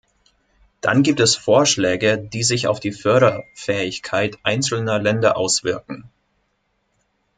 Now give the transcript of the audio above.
Dann gibt es Vorschläge, die sich auf die Förderfähigkeit einzelner Länder auswirken.